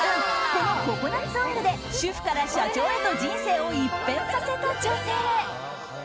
このココナッツオイルで主婦から社長へと人生を一変させた女性。